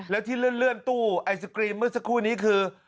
แล้วที่เลื่อนตู้ไอศกรีมเมื่อสักครู่นี้คือ